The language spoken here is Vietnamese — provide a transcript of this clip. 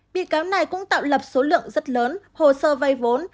bị cáo này cũng tạo lập số lượng rất lớn hồ sơ vay vốn